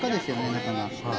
中が。